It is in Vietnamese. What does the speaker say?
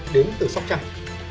đến từ sóc trăng